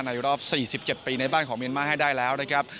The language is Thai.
ในรอบ๔๗ปีในบ้านของเมียนมาให้ได้แล้วนะครับ